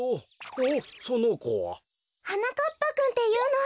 おっそのこは？はなかっぱくんっていうの。